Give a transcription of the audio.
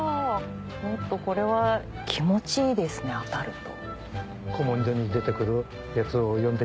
これは気持ちいいですね当たると。